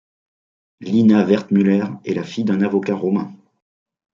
Lina Wertmüller est la fille d'un avocat romain.